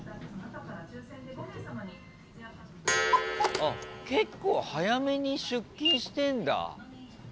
あっ結構早めに出勤してんだ。